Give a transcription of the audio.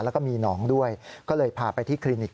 แล้วก็มีหนองด้วยก็เลยพาไปที่คลินิก